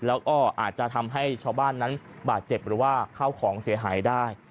แล้วก็อาจจะทำให้ชาวบ้านนั้นบาดเจ็บหรือว่าเข้าของเสียหายได้